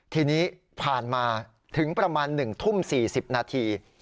ทีนี้ผ่านมาถึงประมาณ๑ทุ่ม๔๐นาที